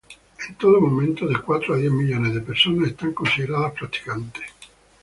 En todo el mundo, de cuatro a diez millones de personas están consideradas practicantes.